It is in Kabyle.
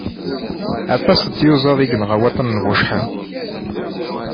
Aṭas n tyuzaḍ i yenɣa waṭan n bucḥiḍ.